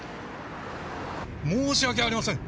申し訳ありません。